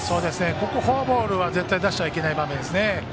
ここフォアボールは絶対、出してはいけない場面です。